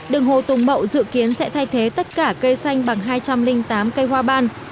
đường hồ tùng mậu dự kiến sẽ thay thế tất cả cây xanh bằng hai trăm linh tám cây hoa ban